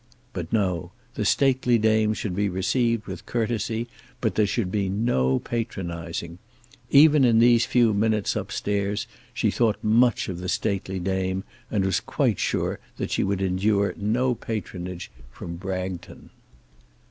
But no; the stately dame should be received with courtesy, but there should be no patronising. Even in these few minutes up stairs she thought much of the stately dame and was quite sure that she would endure no patronage from Bragton.